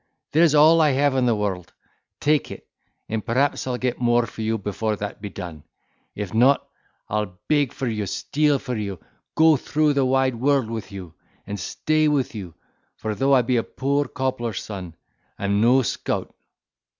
There's all I have in the world, take it, and I'll perhaps get more for you before that be done. If not, I'll beg for you, steal for you, go through the wide world with you, and stay with you; for though I be a poor cobbler's son, I am no scout."